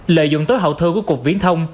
lợi dụng tới hậu thơ của cuộc viễn thông